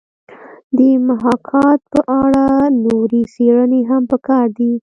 د محاکات په اړه نورې څېړنې هم پکار دي